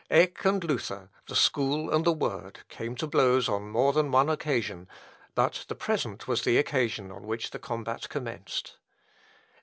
Eck and Luther, the School and the Word, came to blows on more than one occasion; but the present was the occasion on which the combat commenced.